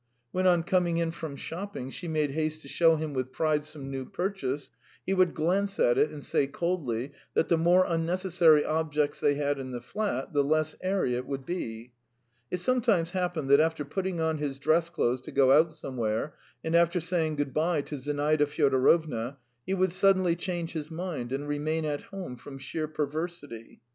When on coming in from shopping she made haste to show him with pride some new purchase, he would glance at it and say coldly that the more unnecessary objects they had in the flat, the less airy it would be. It sometimes happened that after putting on his dress clothes to go out somewhere, and after saying good bye to Zinaida Fyodorovna, he would suddenly change his mind and remain at home from sheer perversity.